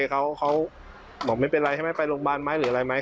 เขาบอกไม่เป็นไรใช่ไหมไปโรงพยาบาลไหมหรืออะไรไหม